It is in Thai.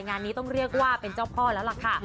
งานนี้ต้องเรียกว่าเป็นเจ้าพ่อแล้วล่ะค่ะ